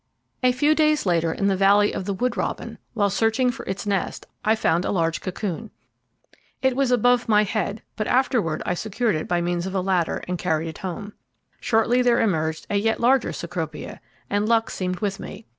A few days later, in the valley of the Wood Robin, while searching for its nest I found a large cocoon. It was above my head, but afterward I secured it by means of a ladder, and carried it home. Shortly there emerged a yet larger Cecropia, and luck seemed with me.